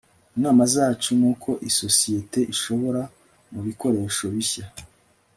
Inama zacu nuko isosiyete ishora mubikoresho bishya